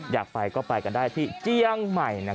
อยากไปก็ไปกันได้ที่เจียงใหม่